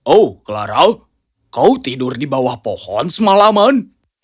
oh clara kau tidur di bawah pohon semalaman